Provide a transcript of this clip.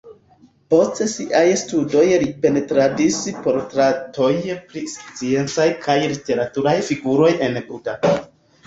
Post siaj studoj li pentradis portretojn pri sciencaj kaj literaturaj figuroj en Buda.